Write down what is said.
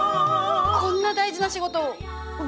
こんな大事な仕事を私が？